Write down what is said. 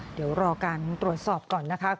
เดี๋ยวรอการตรวจสอบก่อนนะคะ